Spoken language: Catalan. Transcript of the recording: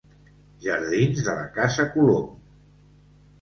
Jardins de la Casa Colom.